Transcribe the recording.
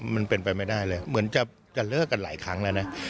มันเป็นไปไม่ได้เลยเหมือนจะเลิกกันหลายครั้งแล้วนะ